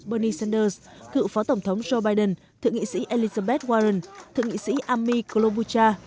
bernie sanders cựu phó tổng thống joe biden thượng nghị sĩ elizabeth warren thượng nghị sĩ ami kolobucha